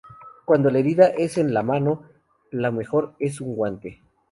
Cuando la herida es en la mano, lo mejor es un guante.